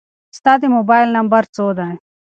ستا د موبایل نمبر څو دی؟